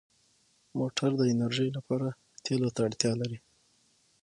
موټر د انرژۍ لپاره تېلو ته اړتیا لري.